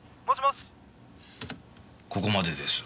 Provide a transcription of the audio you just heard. ここまでです。